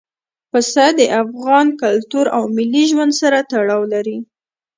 پسه د افغان کلتور او ملي ژوند سره تړاو لري.